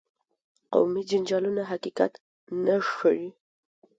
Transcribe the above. قومي جنجالونه حقیقت نه ښيي.